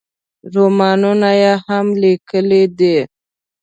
رومانونه یې هم لیکلي دي.